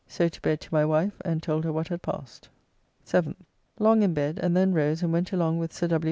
So to bed to my wife, and told her what had passed. 7th. Long in bed, and then rose and went along with Sir W.